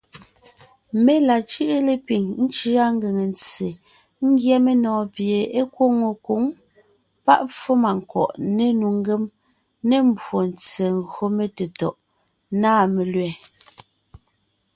Mé la cʉ́ʼʉ lepiŋ , ńcʉa ngʉŋe ntse ńgyɛ́ menɔ̀ɔn pie é nkwóŋo nkwǒŋ páʼ pfómànkwɔ̀ʼ, ne nnu ngém, ne mbwóntse gÿo metetɔ̀ʼ nâ melẅɛ̀.